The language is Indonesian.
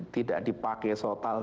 tidak dipakai total